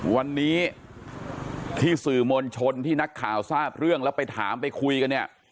วันนี้ที่สื่อมวลชนที่นักข่าวทราบเรื่องแล้วไปถามไปคุยกันเนี่ย